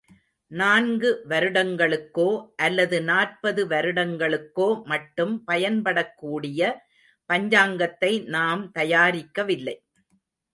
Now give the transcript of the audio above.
நான்கு வருடங்களுக்கோ, அல்லது நாற்பது வருடங்களுக்கோ மட்டும் பயன்படக்கூடிய பஞ்சாங்கத்தை நாம் தயாரிக்கவில்லை.